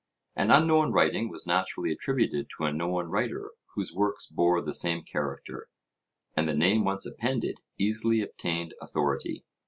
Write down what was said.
An unknown writing was naturally attributed to a known writer whose works bore the same character; and the name once appended easily obtained authority.